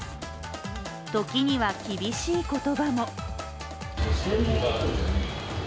時には厳しい言葉も。